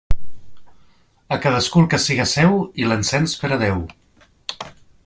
A cadascú el que siga seu i l'encens per a Déu.